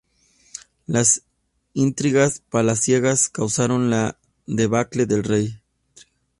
Las intrigas palaciegas causaron la debacle del rey.